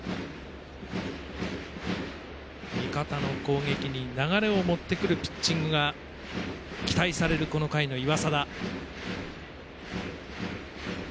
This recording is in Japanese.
味方の攻撃に流れを持ってくるピッチングが期待される、この回の岩貞。